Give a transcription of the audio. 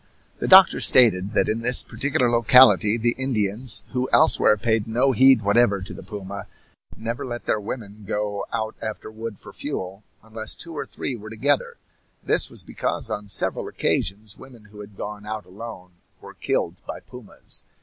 The doctor stated that in this particular locality the Indians, who elsewhere paid no heed whatever to the puma, never let their women go out after wood for fuel unless two or three were together. This was because on several occasions women who had gone out alone were killed by pumas.